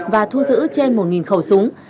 và thu giữ trên một khẩu súng